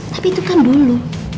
tapi itu kan dulu